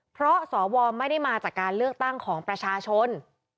เพราะสวไม่ได้มาจากการเลือกตั้งของประชาชน